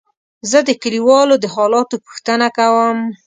زه د کليوالو د حالاتو پوښتنه کوم.